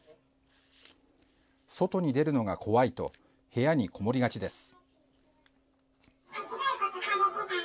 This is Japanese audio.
外に出るのが怖いと部屋にこもりがちです。